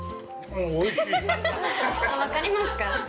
◆分かりますか？